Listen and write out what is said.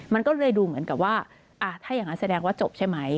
มันก็เลยดูเหมือนกับว่าถ้าอย่างนั้นแสดงว่าจบใช่ไหม